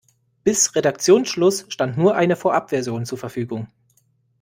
Bis Redaktionsschluss stand nur eine Vorabversion zur Verfügung.